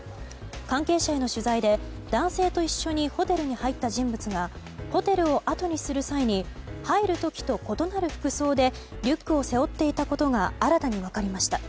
関係者への取材で、男性と一緒にホテルに入った人物がホテルをあとにする際に入る時と異なる服装でリュックを背負っていたことが新たに分かりました。